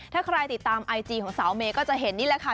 ถ้าใครติดตามไอจีของสาวเมย์ก็จะเห็นนี่แหละค่ะ